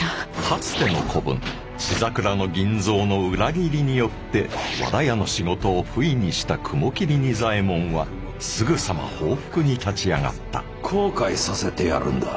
かつての子分血桜の銀蔵の裏切りによって和田屋の仕事をふいにした雲霧仁左衛門はすぐさま報復に立ち上がった後悔させてやるんだ。